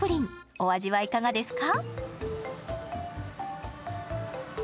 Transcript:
お味はいかがですか？